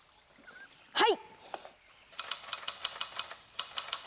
はい！